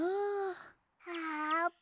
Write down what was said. あーぷん。